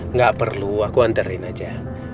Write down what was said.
nggak perlu aku hunterin aja